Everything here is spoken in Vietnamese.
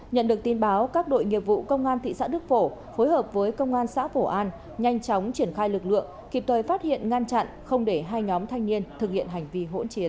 nhận được tin báo các đội nghiệp vụ công an thị xã đức phổ phối hợp với công an xã phổ an nhanh chóng triển khai lực lượng kịp thời phát hiện ngăn chặn không để hai nhóm thanh niên thực hiện hành vi hỗn chiến